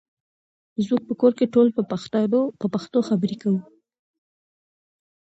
زموږ په کور کې ټول په پښتو خبرې کوي.